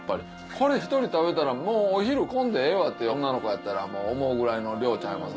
これ１人食べたらもうお昼来んでええわって女の子やったら思うぐらいの量ちゃいます？